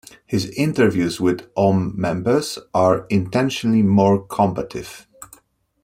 His interviews with Aum members are intentionally more combative.